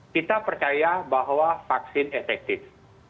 kita percaya bahwa vaksin efektif